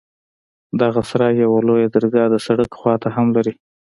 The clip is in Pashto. دغه سراى يوه لويه درګاه د سړک خوا ته هم لري.